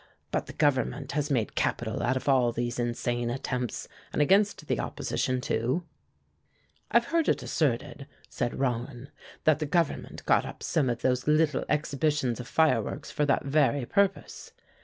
But the Government has made capital out of all these insane attempts, and against the opposition, too." "I've heard it asserted," said Rollin, "that the Government got up some of those little exhibitions of fireworks for that very purpose.